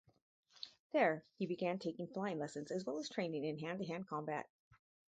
There, he began taking flying lessons as well as training in hand-to-hand combat.